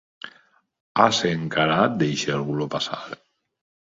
Ase encarat deixau-lo passar.